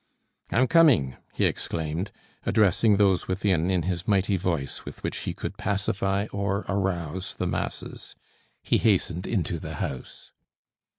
"I'm coming!" he exclaimed, addressing those within in his mighty voice with which he could pacify or arouse the masses. He hastened into the house.